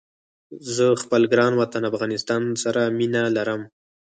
زه خپل ګران وطن افغانستان سره مينه ارم